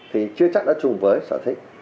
thì chưa chắc đã chung với sở thích